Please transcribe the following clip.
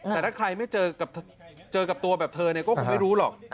แต่ถ้าใครไม่เจอกับตัวแบบเธอก็คงไม่รู้หรอก